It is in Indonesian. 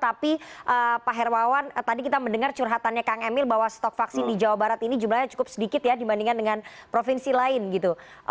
tapi pak hermawan tadi kita mendengar curhatannya kang emil bahwa stok vaksin di jawa barat ini jumlahnya cukup sedikit ya dibandingkan dengan provinsi lain gitu